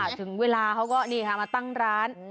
ถึงเวลาเขาก็มาตั้งร้าน